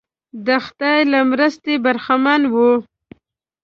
د خدای له مرستې برخمن وي.